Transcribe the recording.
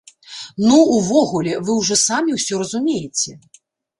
Ну, увогуле, вы ўжо самі ўсё разумееце!